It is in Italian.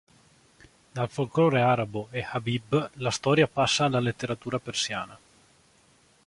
Dal folklore arabo e Habib la storia passa alla letteratura persiana.